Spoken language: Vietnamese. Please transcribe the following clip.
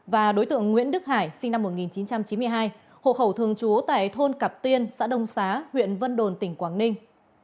và đối tượng nguyễn đức hải sinh năm một nghìn chín trăm chín mươi hai hộ khẩu thường trú tại thôn cặp tiên xã đông xá huyện vân đồn tỉnh quảng ninh